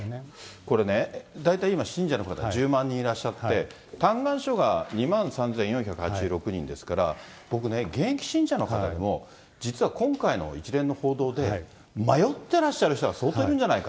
これね、大体今、信者の方１０万人いらっしゃって、嘆願書が２万３４８６人ですから、僕ね、現役信者の方でも実は今回の一連の報道で、迷ってらっしゃる人が相当いらっしゃるんじゃないか。